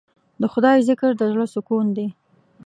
د خدای ذکر د زړه سکون دی.